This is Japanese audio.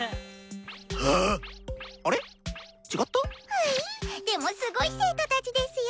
ふいっでもすごい生徒たちですよ。